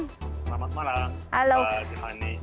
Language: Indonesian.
selamat malam pak jihani